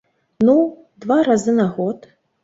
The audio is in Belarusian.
Ну, два разы на год.